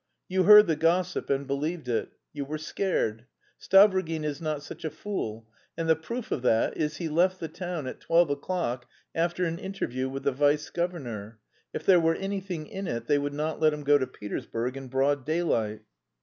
You heard the gossip and believed it. You were scared. Stavrogin is not such a fool, and the proof of that is he left the town at twelve o'clock after an interview with the vice governor; if there were anything in it they would not let him go to Petersburg in broad daylight."